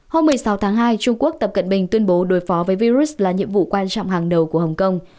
hôm một mươi sáu tháng hai trung quốc tập cận bình tuyên bố đối phó với virus là nhiệm vụ quan trọng hàng đầu của hồng kông